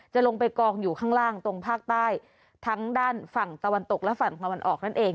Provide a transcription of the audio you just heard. จะลงไปกองอยู่ข้างล่างตรงภาคใต้ทั้งด้านฝั่งตะวันตกและฝั่งตะวันออกนั่นเอง